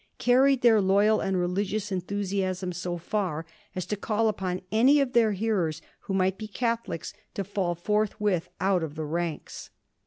carried their loyal and religious enthusiasm so far as to call upon any of their hearers who might be Catholics to fall forthwith out of the ranks.